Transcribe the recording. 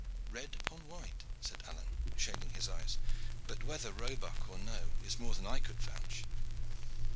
"Red upon white," said Alleyne, shading his eyes; "but whether roebuck or no is more than I could vouch.